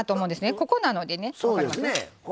ここなのでね。